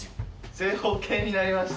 正方形になりました。